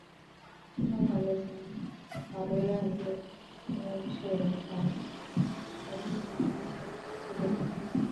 制作团队虽曾考虑让一位成人饰演小啄木鸟奎尔负责担任。